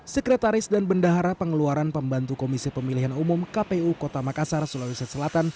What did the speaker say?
sekretaris dan bendahara pengeluaran pembantu komisi pemilihan umum kpu kota makassar sulawesi selatan